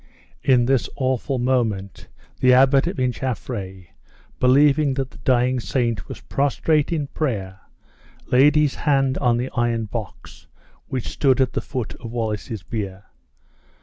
In this awful moment the Abbot of Inchaffray, believing the dying saint was prostrate in prayer, laid his hand on the iron box, which stood at the foot of Wallace's bier.